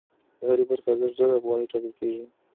د هرې برخې ارزښت زر افغانۍ ټاکل کېږي